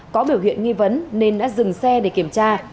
có biểu hiện nghi vấn nên đã dừng xe để kiểm tra